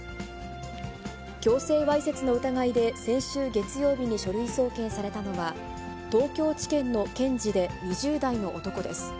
強制わいせつの疑いで先週月曜日に書類送検されたのは、東京地検の検事で２０代の男です。